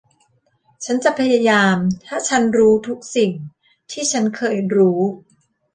ฉันจะพยายามถ้าฉันรู้ทุกสิ่งที่ฉันเคยรู้